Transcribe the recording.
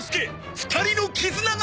２人の絆が